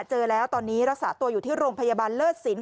เจอแล้วตอนนี้รักษาตัวอยู่ที่โรงพยาบาลเลิศสิน